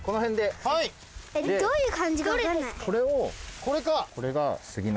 これか。